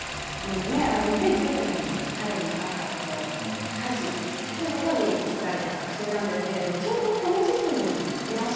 ２０１９年の春にあった火事をもとに作られた作品なんですけれどちょうど留学で？